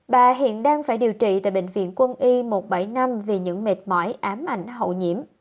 bà hiện đang phải điều trị tại bệnh viện quân y một trăm bảy mươi năm vì những mệt mỏi ám ảnh hậu nhiễm